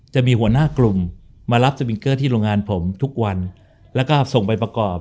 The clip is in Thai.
จะมีหัวหน้ากลุ่มมารับสปิงเกอร์ที่โรงงานผมทุกวันแล้วก็ส่งไปประกอบ